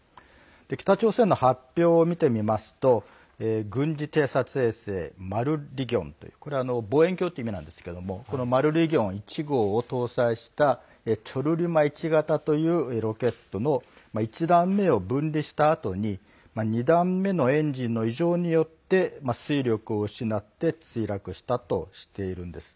北朝鮮の発表を見てみますと軍事偵察衛星マルリギョンというこれ、望遠鏡という意味なんですけどマルリギョン１号を搭載したチョルリマ１型というロケットの１段目を分離したあとに２段目のエンジンの異常によって推力を失って墜落したとしているんです。